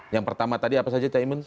yang pertama tadi apa saja caimin